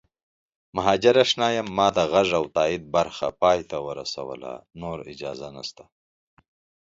مهاجراشنا یم ما د غږ او تایید برخه پای ته ورسوله نور اجازه نه